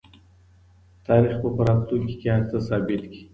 تاریخ به په راتلونکي کې هر څه ثابت کړي.